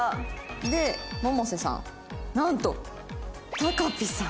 で百瀬さんなんとタカピさん。